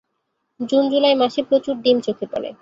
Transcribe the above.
June July মাসে প্রচুর ডিম চোখে পরে।